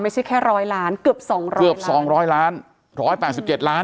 ไม่ใช่แค่๑๐๐ล้านเกือบ๒๐๐ล้าน๑๘๗ล้าน